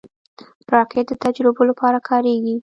راکټ د تجربو لپاره کارېږي